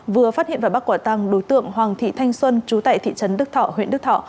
vừa phát hiện và bắt quả tăng đối tượng hoàng thị thanh xuân chú tại thị trấn đức thọ huyện đức thọ